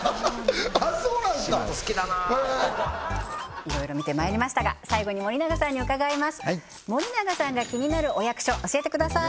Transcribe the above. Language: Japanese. あっそうなんですか仕事好きだないろいろ見てまいりましたが最後に森永さんに伺います森永さんが気になるお役所教えてください